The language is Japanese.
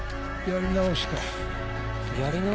やり直す？